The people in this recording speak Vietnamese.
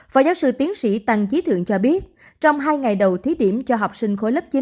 phó giáo sư tiến sĩ tăng trí thượng cho biết trong hai ngày đầu thí điểm cho học sinh khối lớp chín